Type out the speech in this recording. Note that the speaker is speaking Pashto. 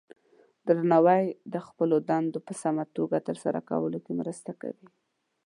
درناوی د خپلو دندو په سمه توګه ترسره کولو کې مرسته کوي.